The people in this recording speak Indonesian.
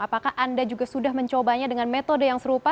apakah anda juga sudah mencobanya dengan metode yang serupa